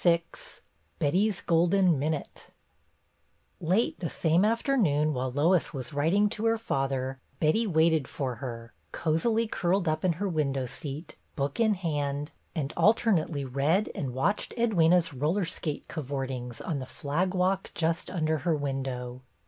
VI Betty's golden minute L ate the same afternoon, while Lois was writing to her father, Betty waited for her, cosily curled up in her window seat, book in hand, and alternately read and watched Edwyna's roller skate "cavortings" on the flag walk just under her window.